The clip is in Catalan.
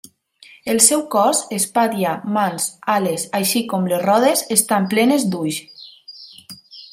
El seu cos, espatlla, mans, ales, així com les rodes, estan plenes d'ulls.